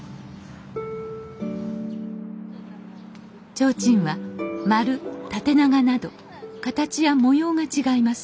提灯は丸縦長など形や模様が違います。